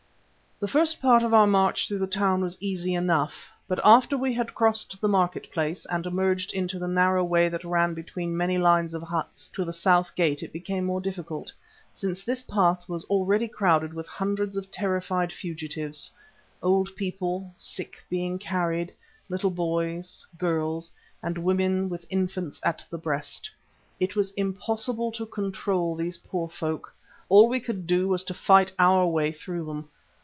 The first part of our march through the town was easy enough, but after we had crossed the market place and emerged into the narrow way that ran between many lines of huts to the south gate it became more difficult, since this path was already crowded with hundreds of terrified fugitives, old people, sick being carried, little boys, girls, and women with infants at the breast. It was impossible to control these poor folk; all we could do was to fight our way through them.